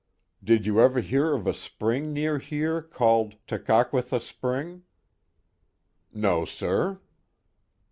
'* Did you ever hear of a spring near here called Tekakvvitha spring ?"No, sir."